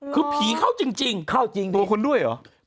คือผีเข้าจริงเข้าจริงตัวคนด้วยเหรอ